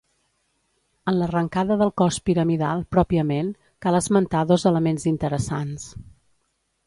En l'arrancada del cos piramidal pròpiament, cal esmentar dos elements interessants.